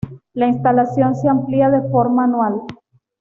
La instalación se amplía de forma anual.